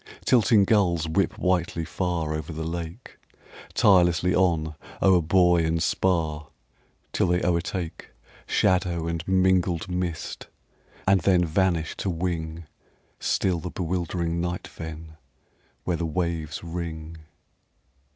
Tilting gulls whip whitely far Over the lake, Tirelessly on o'er buoy and spar Till they o'ertake Shadow and mingled mist and then Vanish to wing Still the bewildering night fen, Where the waves ring.